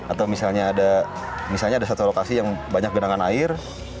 atau misalnya ada satu lokasi yang banyak genangan air